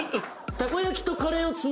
たこ焼きカレーね。